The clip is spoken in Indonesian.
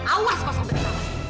awas kau sampai ketemu